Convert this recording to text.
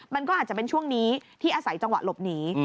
มันก็อาจจะเป็นช่วงนี้ที่อาศัยจังหวะหลบหนี